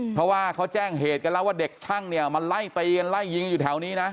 เพราะว่าเขาแจ้งเหตุกันแล้วว่าเด็กช่างเนี่ยมาไล่ตีกันไล่ยิงอยู่แถวนี้นะ